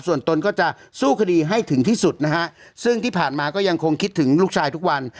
ส่วนตนก็จะสู้คดีให้ถึงที่สุดนะฮะซึ่งที่ผ่านมาก็ยังคงคิดถึงลูกชายทุกวัน